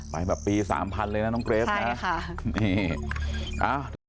แบบปี๓๐๐๐เลยนะน้องเกรสใช่ค่ะ